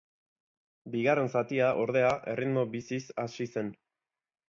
Bigarren zatia, ordea, erritmo bicis hasi zen.